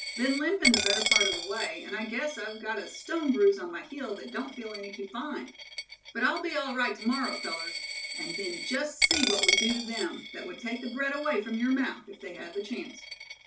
Been limpin' the better part of the way, and I guess I've got a stone bruise on my heel that don't feel any too fine. But I'll be all right to morrow, fellers; and then just see what we do to them that would take the bread away from your mouth, if they had the chance."